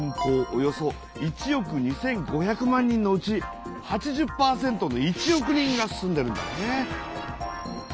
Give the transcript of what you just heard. およそ１億２，５００万人のうち８０％の１億人が住んでるんだね。